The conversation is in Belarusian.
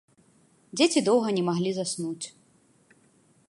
Дзеці доўга не маглі заснуць.